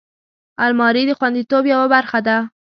الماري د خوندیتوب یوه برخه ده